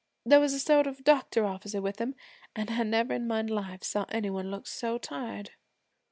There was a sort of doctor officer with them, an' I never in my life saw any one look so tired.